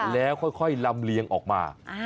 แล้วค่อยลำเลียงออกมา